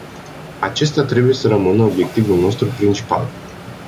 Acesta trebuie să rămână obiectivul nostru principal.